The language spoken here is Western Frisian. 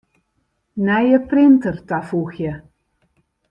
Nije printer tafoegje.